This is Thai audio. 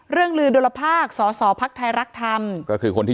เรื่องลือโดรภาคสสพภักษ์ไทยรักษ์ธรรมก็คือคนที่